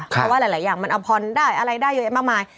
เพราะว่าหลายอย่างมันอำพรได้อะไรได้เยอะแยะมากมาย